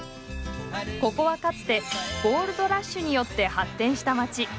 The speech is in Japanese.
ここはかつてゴールドラッシュによって発展した街。